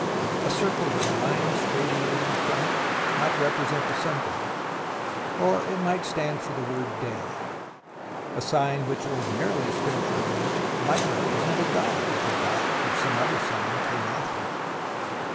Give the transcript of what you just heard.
A circle with lines radiating from it might represent the sun god, or it might stand for the word " day." A sign which ordinarily stood for a letter might represent a god if a dot or some other sign came after it.